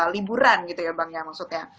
liburan gitu ya bang ya maksudnya